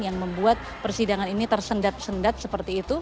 yang membuat persidangan ini tersendat sendat seperti itu